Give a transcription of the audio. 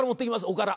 おから。